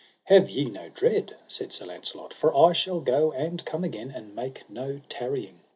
Have ye no dread, said Sir Launcelot, for I shall go and come again, and make no tarrying.